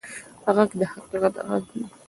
غږ د حقیقت غږ وي